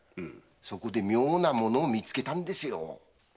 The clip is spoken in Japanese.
そこで妙なものを見つけたんですよ。